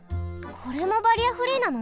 これもバリアフリーなの？